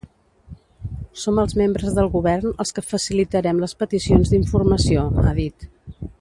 Som els membres del govern els que facilitarem les peticions d’informació, ha dit.